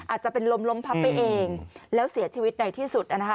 อาจจะเป็นลมล้มพับไปเองแล้วเสียชีวิตในที่สุดนะคะ